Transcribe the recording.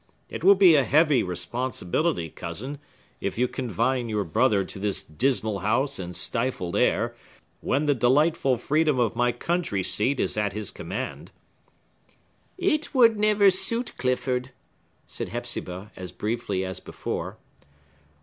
It will be a heavy responsibility, cousin, if you confine your brother to this dismal house and stifled air, when the delightful freedom of my country seat is at his command." "It would never suit Clifford," said Hepzibah, as briefly as before.